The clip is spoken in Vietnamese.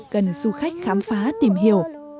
cần du khách khám phá tìm hiểu